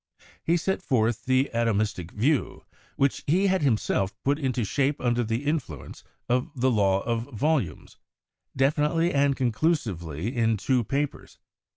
He set forth the atomistic view, which he had himself put into shape under the influence of the law of volumes, definitely and conclusively in two papers.